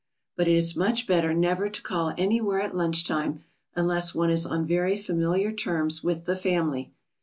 But it is much better never to call anywhere at lunch time unless one is on very familiar terms with the family.